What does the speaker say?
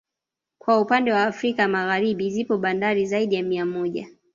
Kwa upannde wa Afrika ya Magharibi zipo bandari zaidi ya mia moja